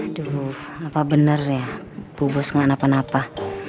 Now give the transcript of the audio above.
aduh apa bener ya bu bos gak napan napa